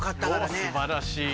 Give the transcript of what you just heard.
すばらしい。